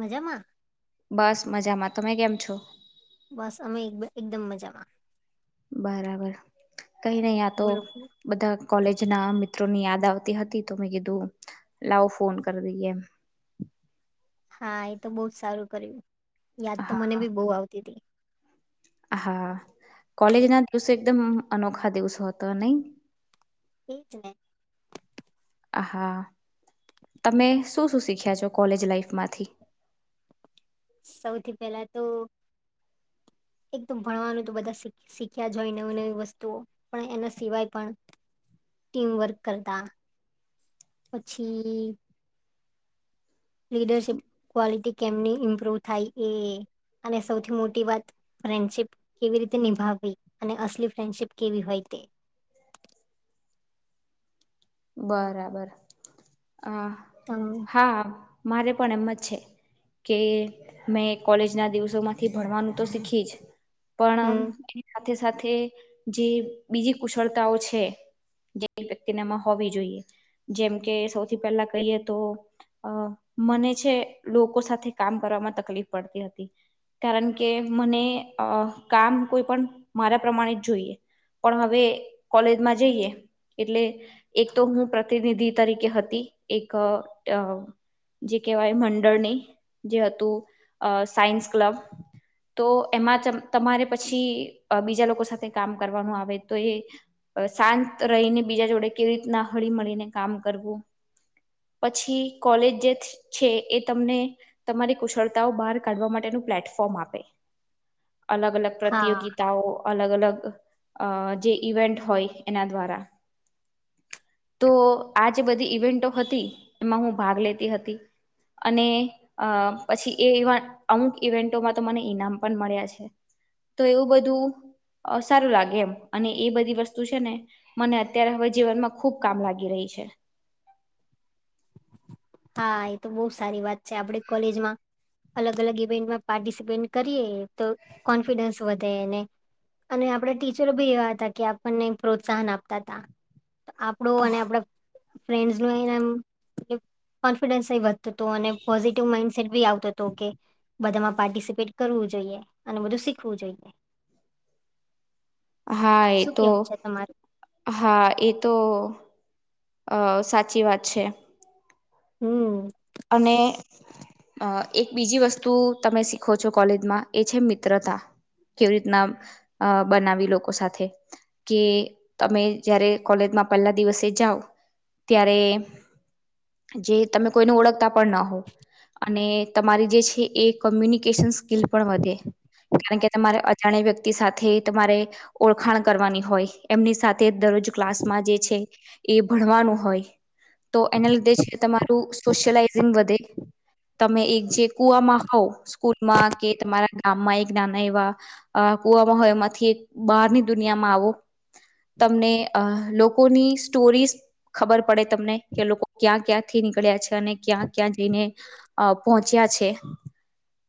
મજામાં બસ મજામાં તમે કેમ છો? બસ અમે એકદમ મજામાં બરાબર કઈ નહી આ તો બોલો બોલો. બધા કોલેજ જ ના મિત્રોની યાદ આવતી હતી તો મેં કીધું લાવો ફોન કરી દઈએ હા એ તો બહ સારું કર્યું યાદ તો હા મને બી બહુ આવતી હતી હા કોલેજ ના દિવસે એકદમ અનોખા દિવસ હતો નહી એ જને હહા તમે શું શું શીખ્યા છો કોલેજ લાઈફમાંથી? સૌથી પહેલા તો એકદમ ભણવાનું તો બધા શીખ્યા જ હોય નવી નવી વસ્તુઓ પણ એના સિવાય પણ ટીમ વર્ક કરતા પછી લીડરશિપ ક્વોલિટી કેમની ઇમ્પ્રુવ થાય એ અને સૌથી મોટી વાત ફ્રેન્ડશિપ કેવી રીતે નિભાવવી અને અસલી ફ્રેન્ડશીપ કેવી હોય તે. [inaudible] બરાબર અ તો હા મારે પણ એમ જ છે કે મેં કોલેજ ના દિવસો માંથી ભણવાનું તો શીખી જ પણ હમ સાથે સાથે જે બીજી કુશળતાઓ છે જે વ્યક્તિનામાં હોવી જોઈએ જેમ કે સૌથી પહેલા કહીએ તો અ મને છે લોકો સાથે કામ કરવા માં તકલીફ પડતી હતી કારણ કે મને અ કામ કોઈ પણ મારા પ્રમાણે જ જોઈએ પણ હવે કોલેજમાં જઈએ એટલે એક તો હું પ્રતિનિધિ તરીકે હતી એક જે કહેવાય મંડળની જે હતું સાયન્સ ક્લબ તો એમાં તમારે પછી બીજા લોકો સાથે કામ કરવાનું આવે તો એ શાંત રહીને બીજા જોડે કેવી રીતના હળી મળીને કામ કરવું પછી કોલેજ જે છે એ તમને તમારી કુશળતાઓ બહાર કાઢવા માટે નુ પ્લેટફોર્મ આપે [unintelligible] અલગ અલગ હા પ્રતિયોગિતાઓ અલગ અલગ અ જે ઈવેન્ટ હોય એના દ્વારા તો આ જે બધી ઈવેન્ટો હતી એમાં હું ભાગ લેતી હતી અને અ પછી એ અમુક ઈવેન્ટોમાં તો મને ઈનામ પણ મળ્યા છે તો એવું બધું અ સારું લાગે એમ અને એ બધી વસ્તુ છે ને મને અત્યારે હવે જીવનમાં ખૂબ કામ લાગી રહી છે હા એ તો બહુ સારી વાત છે આપડ કોલેજમાં અલગ અલગ ઇવેન્ટમાં પાર્ટિસિપેટ કરીએ તો કોન્ફિડન્સ વધે એને અને આપડા ટીચર બી એવા હતા કે આપણને પ્રોત્સાહન આપતા હતાા આપડું અને આપડા ફ્રેન્ડસ ન એ કોન્ફિડન્સ એ વધ તો ને પોઝિટિવ માઇન્ડ ભી આવતો હતો કે બધામાં પાર્ટિસિપેટ કરવું જોઈએ અને બધું શીખવું જોઈએ. [inaudible] હા એ શું તો કેવું છે તમારું હા એ તો અ સાચી વાત છે હમ્મ અને અ એક બીજી વસ્તુ તમે શીખો છો કોલેજમાં એ છે મિત્રતા કેવી રીતના બનાવી લોકો સાથે કે તમે જયારે કોલેજ પહેલા દિવસે જાવ ત્યારે જે તમે કોઈ ઓળખ તા પણ ન હો અને તમારી જે છે એ કોમ્યુનિકેશન સ્કીલ પણ વધે કારણ કે તમારે અજાણ વ્યક્તિ સાથે તમારે ઓળખાણ કરવાની હોય એમની સાથે જ દર જો ક્લાસમાં જે છે એ ભણવાનું હોય. તો એના લીધે છે તમારું સોશયલાઈઝિંગ વધે. તમે એક જે કુવામાં હોવ સ્કૂલમાં કે તમારા ગામમાં એક નાના એવા અ કુવામાં હોય એમાંથી એક બહારની દુનિયામાં આવો. તમને અ લોકોની સ્ટોરીઝ ખબર પડે તમને કે લોકો ક્યાં ક્યાંથી નીકળ્યા છે અને ક્યાં ક્યાં જઈને અ પહોંચ્યા છે.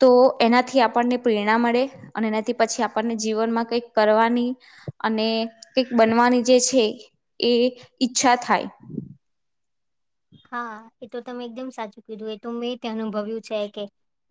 તો એનાથી આપણને પ્રેરણા મળે અને એનાથી પછી આપણને જીવનમાં કંઈક કરવાની અને કઈક બનવાની જે છે એ ઈચ્છા થાય. હા એ તો તમે એકદમ સાચું કીધું એ તો મેં અનુભવ્યું છે કે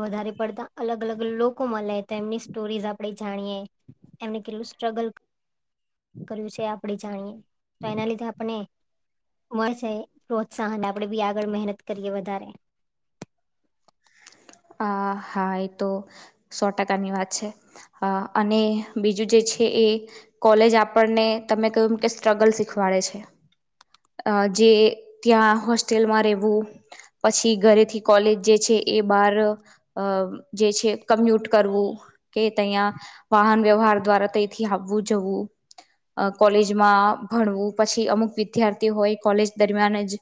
વધારે પડતા અલગ અલગ લોકો મળે તો એમની સ્ટોરીઝ આપે જાણીએ એમને કેલૂસ સ્ટ્રગલ કર્યું છે આપણે જાણીએ. તો એના લીધે આપને મળરશે પ્રો ત્સાહન આપડે બી આગળ મહેનત કરીએ વધારે. આ હા એ તો સો ટકાની વાત છે અને બીજું જે છે એ કોલેજ આપણને તમે કહ્યું કે સ્ટ્રગલ શીખવાડે છે. અ જે ત્યાં હોસ્ટેલમાં રહેવું પછી ઘરેથી કોલેજ જે છે એ બાર અ જે છે કમ્યુટ કરવું કે તયા વાહન વ્યવહાર દ્વારા તથી આવવું જવું. અ કોલેજમાં ભણવું પછી અમુક વિદ્યાર્થી હોય કોલેજ દરમિયાન જ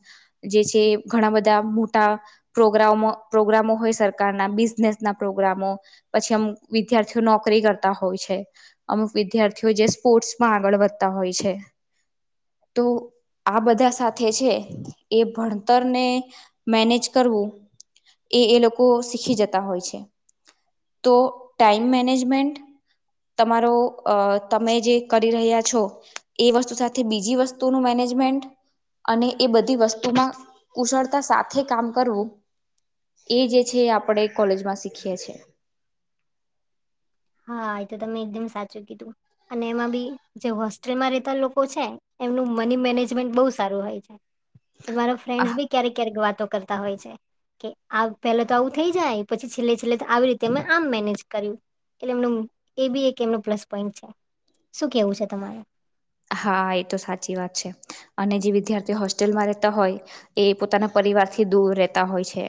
જે છે ઘણા બધા મોટા પ્રગ્રામ પ્રોગ્રામો હોય સરકારના બિઝનેસ ના પ્રોગ્રામો પછી આમ વિદ્યાર્થીઓ નોકરી કરતા હોય છે. અમુક વિદ્યાર્થીઓ જે સ્પોર્ટ્સમાં આગળ વધતા હોય છે તો આ બધા સાથે છે એ ભણતરને મેનેજ કરવું એ એ લોકો શીખી જતા હોય છે. તો ટાઈમ મેનેજમેન્ટ તમારો અ તમે જે કરી રહ્યા છો એ વસ્તુ સાથે બીજી વસ્તુનું મેનેજ મેન્ટ અને એ બધી વસ્તુમાં કુશળતા સાથે કામ કરવું. એ જે છે આપણે કોલેજમાં શીખીએ છે. હા એ તો તમે એકદમ સાચું કીધું અને એમાં બી જે હોસ્ટેલમાં રહેતા લોકો છે એમનું મની મેનેજમેન્ટ બહુ સારું હોય છે એ મારો ફ્રેન્ડસ બી ક્યારેક ક્યારેક વાતો કરતા હોય છે. કે આ પેલા તો આવું થઈ જાય પછી છેલ્લે છેલ્લે આવી રીતે અ આમ મેનેજ કર્યું. એટલે એમનું એ બી એક એમનું પ્લસ પોઈન્ટ છે શું કેવું છે તમારે. હા એ તો સાચી વાત છે. અને જે વિદ્યાર્થી હોસ્ટેલમાં રહેતા હોય એ પોતાના પરિવારથી દૂર રહેતા હોય છે.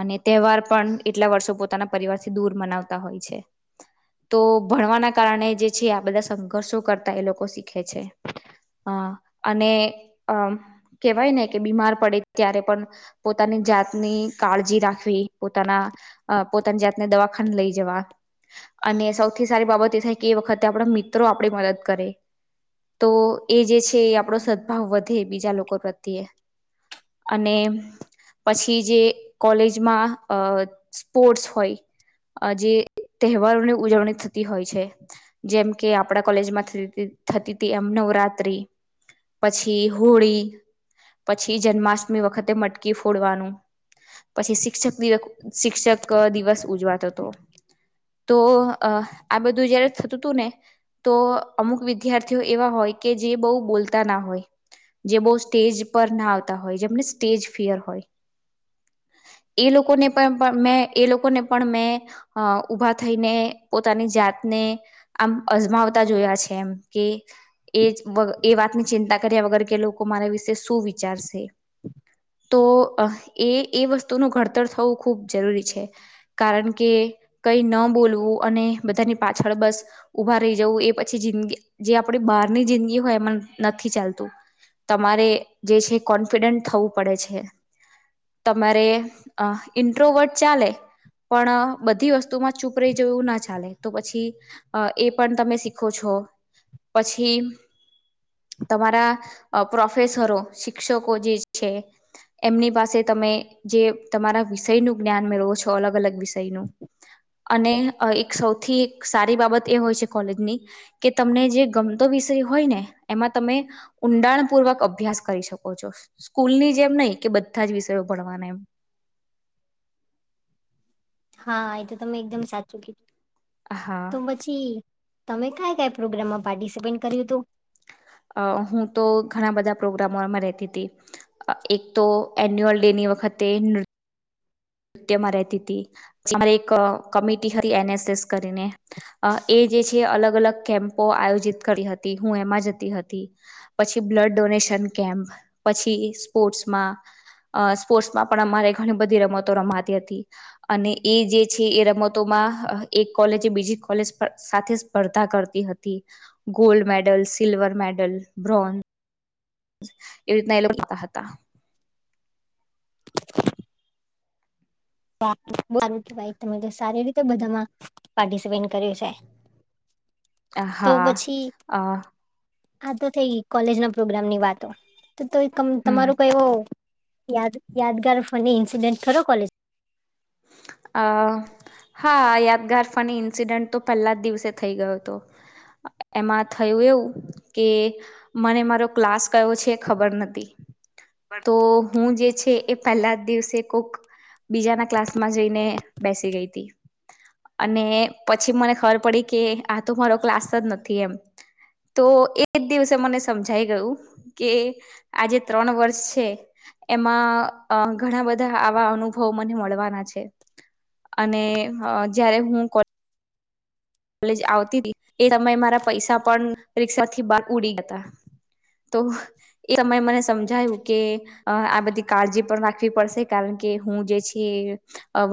અને તહેવાર પણ એટલા વર્ષો પોતાના પરિવારથી દૂર મનાવતા હોય છે. તો ભણવાના કારણે જે છે આ બધા સંઘર્ષો કરતા એ લોકો શીખે છે. હા અને અ કેહેવાય ને કે બીમાર પડે ત્યારે પણ પોતાની જાતની કાળજી રાખવી પોતાના અ પોતાની જાતને દવાખાને લઈ જવા. અને સૌથી સારી બાબત એ થાય કે એ વખતે આપણા મિત્રો આપણી મદદ કરે. તો એ જે છે એ આપણો સદભાવ વધે બીજા લોકો પ્રત્યે. અને. પછી જે કોલેજમાં અ સ્પોર્ટસ હોય અ જે તહેવારોની ઉજવણી થતી હોય છે જેમ કે આપણા કોલેજમાં થ [unintelligible] થતી હતી એમ નવરાત્રિ. પછી હોળી પછી જન્માષ્ટમી વખતે મટકી ફોડવાનું. પછી શિક્ષક દિવ શિક્ષક દિવસ ઉજવાતો હતો. તો અ આ બધું જયારે થતું હતું ને તો અમુક વિ વિદ્યાર્થીઓ એવા હોય કે જે બહુ બોલતા ના હોય. જે બહુ સ્ટેજ પર ના આવતા હોય જેમને સ્ટેજ ફિયર હોય એ લોકોને પણ મેં એ લોકોને પણ મેં ઊભા થઈને પોતાની જાત ને આમ અજમાવતા જોયા છે એમ કે એ એ વાતની ચિંતા કર્યા વગર કે લોકો મારા વિશે શું વિચારશે તો એ એ વસ્તુનું ઘડતર થવું ખૂબ જરૂરી છે કારણ કે કઈ ન બોલવું અને બધાની પાછળ બસ ઉભા રહી જવું એ પછી જિંદગી જે આપડી બહારની જિંદગી હોય એમાં નથી ચાલતું તમારે જે છે કોન્ફિડન્ટ થવું પડે છે તમારે અ ઇન્ટ્રોવર્ટ ચાલે પણ બધી વસ્તુમાં ચૂપ રહી જવું ના ચાલે તો પછી એ પણ તમે શીખો છો પછી તમારા પ્રોફેસરો શિક્ષકો જે છે એમની પાસે તમે જે તમારા વિષયનું જ્ઞાન મેળવો છો અલગ અલગ વિષયનું અને એક સૌથી સારી બાબત એ હોય છે કોલેજની કે તમને જે ગમતો વિષય હોય ને એમાં તમે ઊંડાણ પૂર્વક અભ્યાસ કરી શકો છો સ્કૂલ ની જ એમ નહીિ કે બધા જ વિષયો ભણવાના એમ [inaudible] હા, એ તો તમે એકદમ સાચું કીધું હા તો પછી તમે કયા ક પ્રોગ્રામમાં પાર્ટિસિપેટ કર્યું તું અ હું તો ઘણા બધા પ્રોગ્રામોમાં રેતી હતી એક તો એન્યુઅલ ડેની વખતે નૃત નૃત્યમાં રહેતી હતી અરે એક કમિટી હતી એનએસએસ કરીને એ જે અલગ અલગ કેમ્પો આયોજિત કરી હતી હું એમાં જતી હતી પછી બ્લડ ડોનેશન પછી સ્પોર્ટમાં પણ અમારે ઘણી બધી રમત રમાતી હતી અને એ જે છે એ રમતોમાં એક કોલેજ બીજી કોલેજ સાથે સ્પર્ધા કરતી હતી gold medal silver medal bronze એ રીતના એ લોકો કરતા હતા સારું કેવાય તમે તો સારી રીતે બધામાં પાર્ટિસિપેટ કર્યું છે તો હા પછી અ આ તો થઈ ગ કોલેજ ના પ્રોગ્રામ ની વાતો તો હમ તમારો કઈ યાદ યાદગાર ફને ઇન્સિડેન્ટ ખરો કોલેજ આ હા યાદગાર ફની ઇન્સિડન્ટ તો પહેલા જ દિવસે થઈ ગયો હતો એમાં થયું એવું કે મને મારો ક્લાસ કયો છે ખબર નથી તો હું જે છે એ પહેલા દિવસે કોક બીજાના ક્લાસ માં જઈને બેસી ગઈ હતી. અને પછી મને ખબર પડી કે આ તો મારો ક્લાસ જ નથી એમ તો એજ દિવસે મને સમજાઈ ગયું કે આજે ત્રણ વર્ષ છે એમાં ઘણા બધા આવા અનુભવો મને મળવાના છે અને જયારે હું કોલેજ આવતી હતી એ સમયે મારા પૈસા પણ રિક્ષાથી બહાર ઉડી ગયા હતા. તો એ સમય મને સમજાયું કે આ બધી કાળજી પણ રાખવી પડશે કારણ કે કે હું જે છે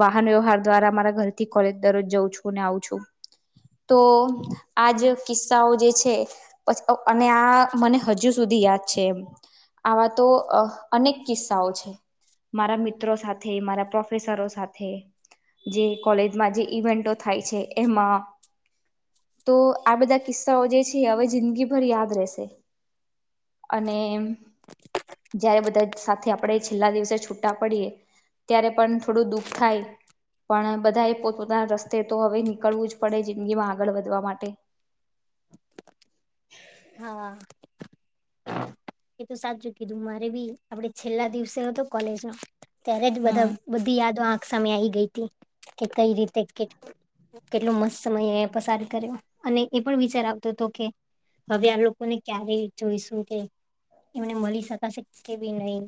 વાહન વ્યવહાર દ્વારા મારા ઘરથી કોલેજ દરરોજ જઉં છું અને આવું છું. [inaudible] તો આજ કિસ્સાઓ જે છે અને આ મને હજુ સુધી યાદ આવા તો અનેક કિસ્સાઓ છે મારા મિત્રો સાથે મારા પ્રોફેસરો સાથે જે કોલેજમાં જે ઈવેન્ટો થાય છે એમાં તો આ બધા કિસ્સાઓ જે છે હવે જિંદગીભર યાદ રશે અને જયારે બધા સાથે આપણે છેલ્લા દિવસે છૂટા પડીએ. ત્યારે પણ થોડું દુઃખ થાય પણ બધા એ પોતપોતાના રસ્તે તો હવે નીકળવું જ પડે જિંદગી માં આગળ વધવા માટે. હા. એ તો સાચું કીધું મારે બી આપડે છેલ્લા દિવસે હતો કોલેજ નો. ત્યારે જ બધા હમ બધી યાદો આખ સામે આવી ગઈ હતી કે કઈ રીતે કેટ કેટલો મસ્ત સમયે પસાર કર્યો અને એ પણ વિચાર આવતો હતો કે હવે આ લોકોને ક્યારે જોઈશું કે એમને મળી શકાશે કે બી નહી.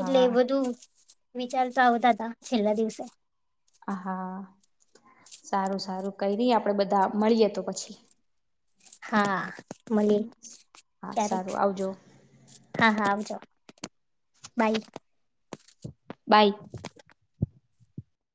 એટલે બધું વિચારતા આવતા હતા છેલ્લા દિવસે. હ. સારું સારું કઈ ની આપડે બધા મળીએ તો પછી. હા મળીએ હા ક્યારેક સારું આવજો હા હા આવજો. બાય. બાય.